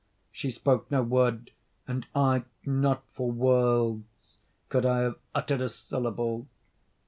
She spoke no word; and I—not for worlds could I have uttered a syllable.